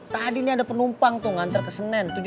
tadi nih ada penumpang tuh ngantre ke senen